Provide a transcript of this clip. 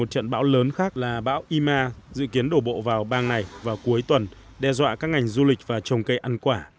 một trận bão lớn khác là bão ima dự kiến đổ bộ vào bang này vào cuối tuần đe dọa các ngành du lịch và trồng cây ăn quả